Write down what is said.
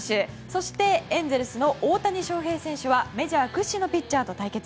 そして、エンゼルスの大谷翔平選手はメジャー屈指のピッチャーと対決。